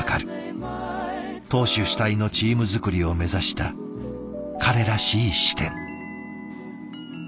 投手主体のチーム作りを目指した彼らしい視点。